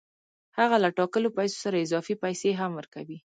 هغه له ټاکلو پیسو سره اضافي پیسې هم ورکوي